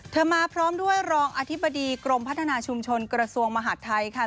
มาพร้อมด้วยรองอธิบดีกรมพัฒนาชุมชนกระทรวงมหาดไทยค่ะ